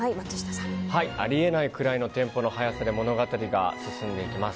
あり得ないくらいのテンポの速さで物語が進んでいきます。